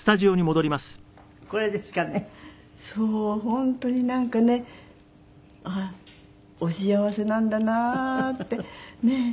本当になんかねああお幸せなんだなってねえ。